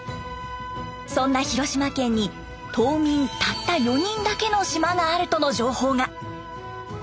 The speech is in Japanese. そんな広島県に島民たった４人だけの島があるとの情報が。